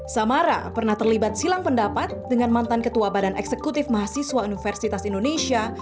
samara pernah terlibat silang pendapat dengan mantan ketua badan eksekutif mahasiswa universitas indonesia